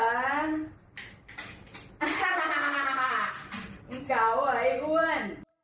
มึงเก๋าหวะไอ้อ้วน